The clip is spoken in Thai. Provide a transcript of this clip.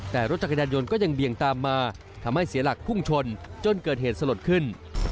แต่รถจักรยานยนต์ก็ยังเบี่ยงตามมาทำให้เสียหลักพุ่งชนจนเกิดเหตุสลดขึ้น